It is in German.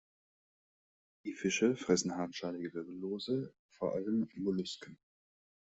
Die Fische fressen hartschalige Wirbellose, vor allem Mollusken.